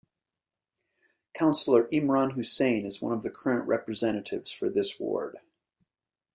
Councillor Imran Hussain is one of the current representatives for this ward.